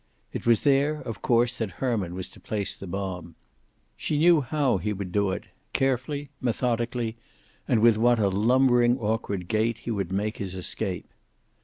It was there, of course, that Herman was to place the bomb. She knew how he would do it, carefully, methodically, and with what a lumbering awkward gait he would make his escape.